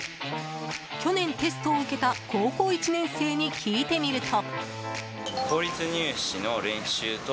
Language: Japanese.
去年、テストを受けた高校１年生に聞いてみると。